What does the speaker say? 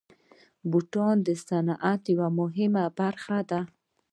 بوټونه د صنعت یوه مهمه برخه ده.